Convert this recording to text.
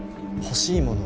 欲しいもの？